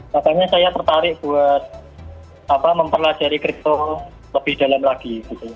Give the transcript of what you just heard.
katanya saya tertarik buat memperlajari kripto lebih dalam lagi